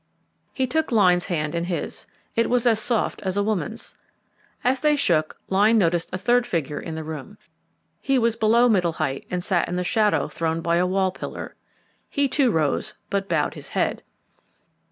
He took Lyne's hand in his it was as soft as a woman's. As they shook hands Lyne noticed a third figure in the room. He was below middle height and sat in the shadow thrown by a wall pillar. He too rose, but bowed his head.